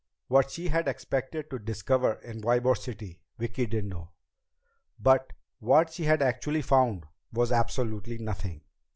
What she had expected to discover in Ybor City, Vicki didn't know. But what she had actually found was absolutely nothing.